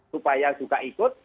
supaya juga ikut